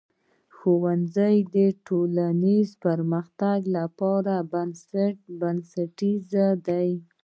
ښوونځی د ټولنیز پرمختګ لپاره بنسټیز دی.